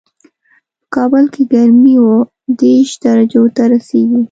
په کابل کې ګرمي اووه دېش درجو ته رسېږي